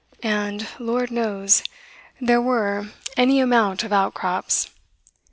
And, Lord knows, there were any amount of outcrops.